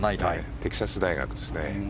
テキサス大学ですね。